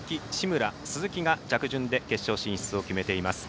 鈴木が着順で決勝進出を決めています。